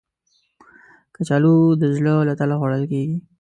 کچالو د زړه له تله خوړل کېږي